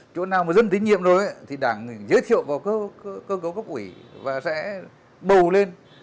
chỗ nào mà dân tín nhiệm rồi thì đảng giới thiệu vào cơ cấu cấp ủy và sẽ bầu lên